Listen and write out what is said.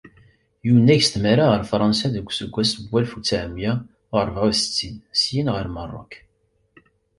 Yunag s tmara ɣer Fransa deg useggas n walef u tesεemya u rebεa u settin, syin ɣer Merruk.